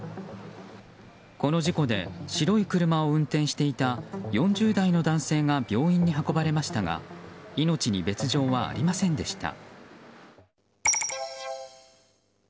この事故で白い車を運転していた４０代の男性が病院に運ばれましたが命に別条はありませんでした。